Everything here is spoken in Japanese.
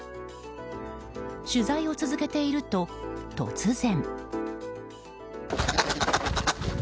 取材を続けていると突然。